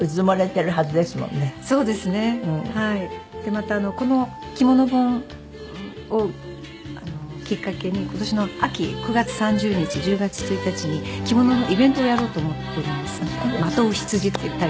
またこの着物本をきっかけに今年の秋９月３０日１０月１日に着物のイベントをやろうと。